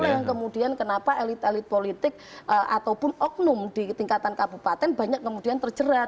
nah yang kemudian kenapa elit elit politik ataupun oknum di tingkatan kabupaten banyak kemudian terjerat